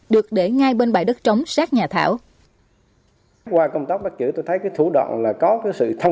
được để ngay bên bãi đất trống sát nhà thảo